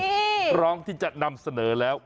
พร้อมที่จะนำเสนอแล้ว